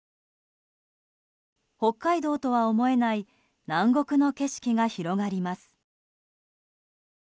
北海道とは思えない南国の景色が広がります。